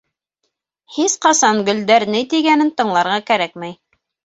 Һис ҡасан гөлдәр ни тигәнен тыңларға кәрәкмәй.